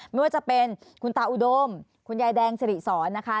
ไม่ว่าจะเป็นคุณตาอุดมคุณยายแดงสิริสอนนะคะ